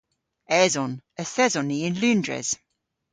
Eson. Yth eson ni yn Loundres.